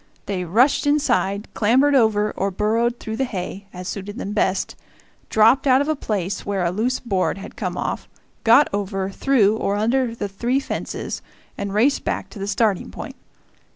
They rushed inside, clambered over or burrowed through the hay, as suited them best, dropped out of a place where a loose board had come off, got over, through, or under the three fences, and raced back to the starting point.